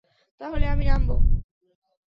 তাহলে আমি নামবো?